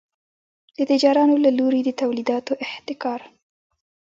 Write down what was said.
د تجارانو له لوري د تولیداتو احتکار.